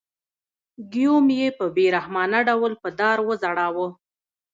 ګیوم یې په بې رحمانه ډول په دار وځړاوه.